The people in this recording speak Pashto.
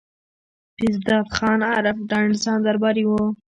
پير داد خان عرف ډنډ خان درباري وو